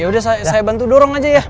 ya udah saya bantu dorong aja ya